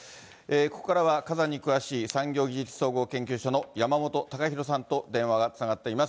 ここからは火山に詳しい産業技術総合研究所の山元孝広さんと電話がつながっています。